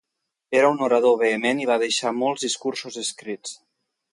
Era un orador vehement i va deixar molts discursos escrits.